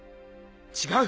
違う！